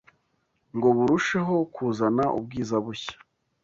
ngo burusheho kuzana ubwiza bushya